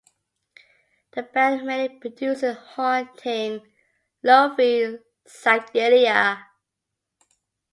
The band mainly produces haunting, lo-fi psychedelia.